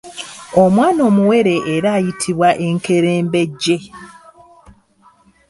Omwana omuwere era ayitibwa enkerembejje.